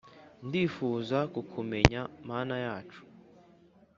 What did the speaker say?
ndifuza kukumenya mana yacu